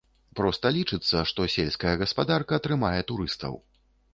Проста лічыцца, што сельская гаспадарка трымае турыстаў.